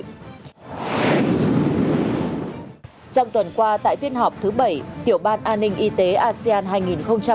trong tuần qua tại phiên họp thứ bảy tiểu ban an ninh y tế asean hai nghìn hai mươi